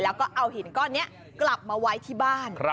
แล้วก็เอาหินก้อนนี้กลับมาไว้ที่บ้าน